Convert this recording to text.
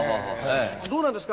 どうなんですか？